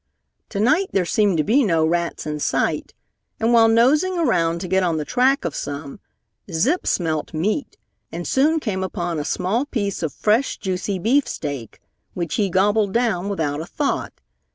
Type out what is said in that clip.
To night there seemed to be no rats in sight, and while nosing around to get on the track of some, Zip smelt meat and soon came upon a small piece of fresh, juicy beefsteak, which he gobbled down without a thought.